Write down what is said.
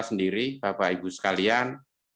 sendiri bapak ibu sekalian